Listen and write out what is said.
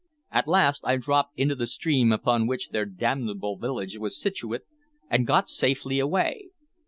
At last I dropped into the stream upon which their damnable village was situate, and got safely away.